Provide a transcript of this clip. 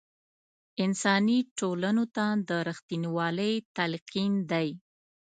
انساني ټولنو ته د رښتینوالۍ تلقین دی.